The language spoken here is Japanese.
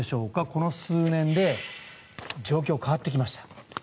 この数年で状況が変わってきました。